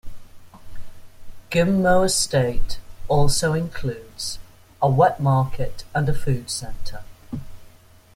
Ghim Moh estate also includes a wet market and a food centre.